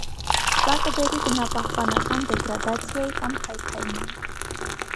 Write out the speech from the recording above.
Սա կբերի բնապահպանական դեգրադացիայի կամ քայքայման։